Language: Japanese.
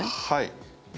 はい。